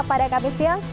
pada kamis siang